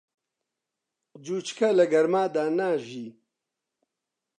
جوچکە لە گەرمادا ناژی.